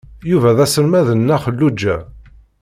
Yuba d aselmad n Nna Xelluǧa.